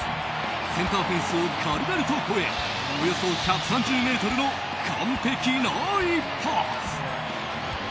センターフェンスを軽々と越えおよそ１３０ｍの完璧な一発！